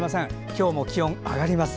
今日も気温上がります。